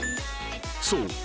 ［そう。